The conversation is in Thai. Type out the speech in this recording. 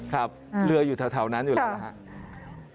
ครับเรืออยู่แถวนั้นอยู่แล้วนะครับ